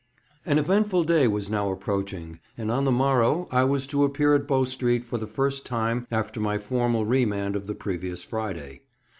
AN eventful day was now approaching, and on the morrow I was to appear at Bow Street for the first time after my formal remand of the previous Friday.